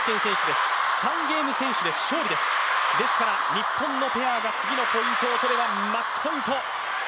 日本のペアが次のポイントを取ればマッチポイント。